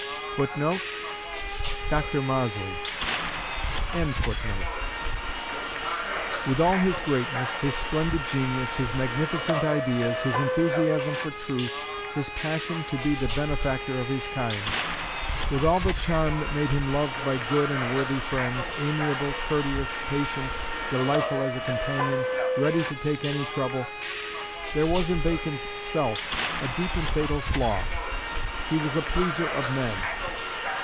" With all his greatness, his splendid genius, his magnificent ideas, his enthusiasm for truth, his passion to be the benefactor of his kind; with all the charm that made him loved by good and worthy friends, amiable, courteous, patient, delightful as a companion, ready to take any trouble there was in Bacon's "self" a deep and fatal flaw. He was a pleaser of men.